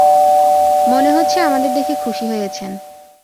মনে হচ্ছে আমাদের দেখে খুশি হয়েছেন।